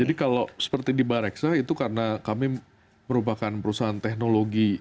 jadi kalau seperti di bareksa itu karena kami merupakan perusahaan teknologi